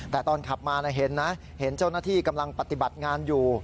แต่ตอนขับมาเห็นนะเห็นเจ้าหน้าที่กำลังปฏิบัติงานอยู่